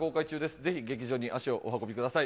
ぜひ劇場に足をお運びください。